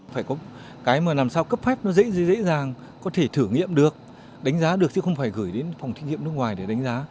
phải có cái mà làm sao cấp phép nó dễ dàng có thể thử nghiệm được đánh giá được chứ không phải gửi đến phòng thí nghiệm nước ngoài để đánh giá